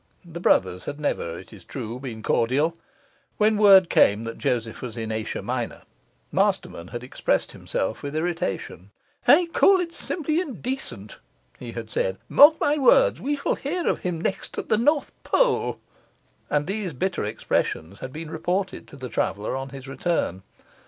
The brothers had never, it is true, been cordial. When word came that Joseph was in Asia Minor, Masterman had expressed himself with irritation. 'I call it simply indecent,' he had said. 'Mark my words we shall hear of him next at the North Pole.' And these bitter expressions had been reported to the traveller on his return.